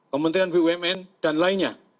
kementerian bumn dan lainnya